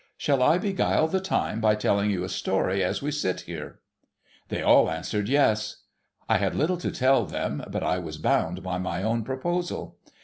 Shall I beguile the time by telling you a story as we sit here ?' They all answered, yes. I had little to tell them, but I was bound by my own proposal.